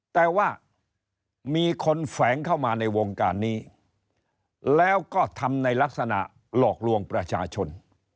แต่ว่ามีคนแฝงเข้ามาในวงการนี้แล้วก็ทำในลักษณะหลอกลวงประชาชน